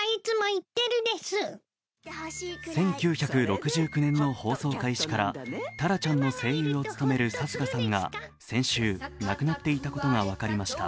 １９６９年の放送開始から、タラちゃんの声優を務める貴家さんが先週、亡くなっていたことが分かりました。